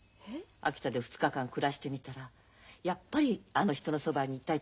秋田で２日間暮らしてみたらやっぱりあの人のそばにいたいって気付いたんじゃないの？